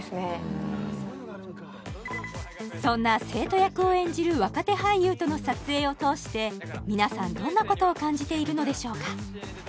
うんそんな生徒役を演じる若手俳優との撮影を通して皆さんどんなことを感じているのでしょうか？